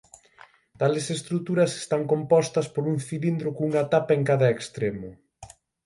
Tales estruturas están compostas por un cilindro cunha tapa en cada extremo.